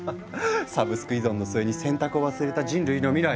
サブスク依存の末に選択を忘れた人類の未来。